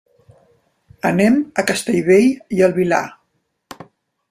Anem a Castellbell i el Vilar.